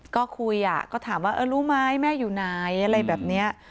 ก็คุยอ่ะก็ถามว่าเออรู้ไหมแม่อยู่ไหนอะไรแบบนี้